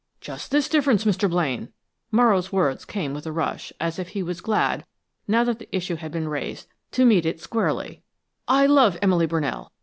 "Just this difference, Mr. Blaine" Morrow's words came with a rush, as if he was glad, now that the issue had been raised, to meet it squarely "I love Emily Brunell.